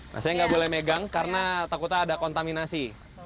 nah saya nggak boleh megang karena takutnya ada kontaminasi